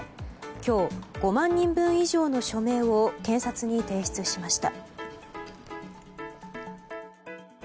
今日、５万人分以上の署名を検察に提出しました。